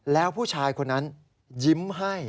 แล้วผู้ชายคนนั้นยิ้มให้